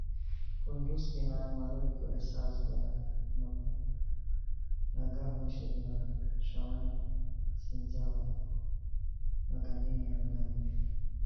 پھونڈوسکی نان مہ نو بیکو احساس کویا نو کویا؟ نگہ موشو دُورہ بی ݰاوانان سینجاوا مہ گانینیا نو گانینی